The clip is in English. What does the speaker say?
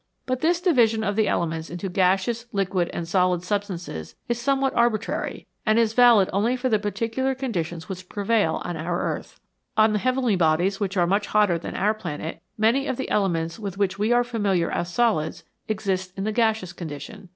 But this division of the elements into gaseous, liquid, and solid substances is some what arbitrary, and is valid only for the particular con ditions which prevail on our earth. On those heavenly bodies which are much hotter than our planet, many of the elements with which we are familiar as solids exist in the gaseous condition.